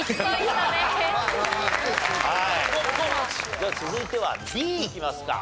じゃあ続いてはＢいきますか。